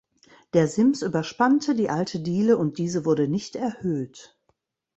Der Sims überspannte die alte Diele und diese wurde nicht erhöht.